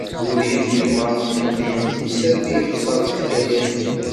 Ur yendim ɣef tfinyent-is armi yexser deg ukayad.